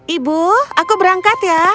ibu aku berangkat ya